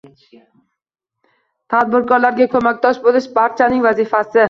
Tadbirkorlarga ko‘makdosh bo‘lish – barchaning vazifasi